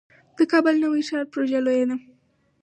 د کابل نوی ښار پروژه لویه ده